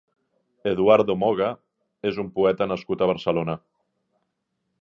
Eduardo Moga és un poeta nascut a Barcelona.